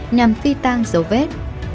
nhằm phi tan dấu vết